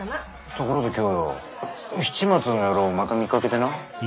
ところで今日よ七松の野郎をまた見かけてな。